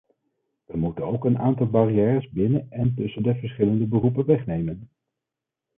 We moeten ook een aantal barrières binnen en tussen de verschillende beroepen wegnemen.